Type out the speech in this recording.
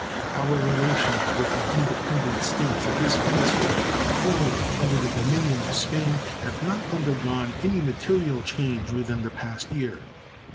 Our relations with the independent States of this hemisphere, formerly under the dominion of Spain, have not undergone any material change within the past year.